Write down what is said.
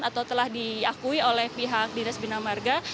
atau telah diakui oleh pihak dinas bina marga